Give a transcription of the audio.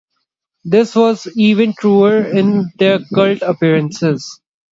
This was even truer in their cult appearances.